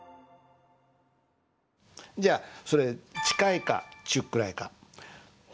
じゃあそれ近いか中くらいか？